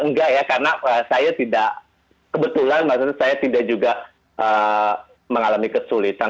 enggak ya karena saya tidak kebetulan maksudnya saya tidak juga mengalami kesulitan